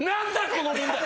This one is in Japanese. この問題！